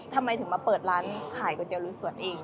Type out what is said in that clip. ทำไมถึงมาเปิดร้านขายก๋วยเตี๋ลุยสวนเอง